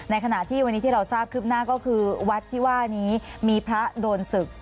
ขณะที่วันนี้ที่เราทราบคืบหน้าก็คือวัดที่ว่านี้มีพระโดนศึก